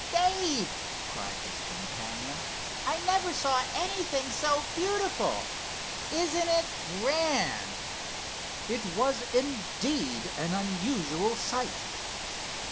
"Dave!" cried his companion, "I never saw anything so beautiful! Isn't this grand!" It was, indeed, an unusual sight.